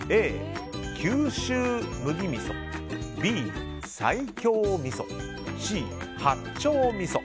Ａ、九州麦みそＢ、西京みそＣ、八丁みそ。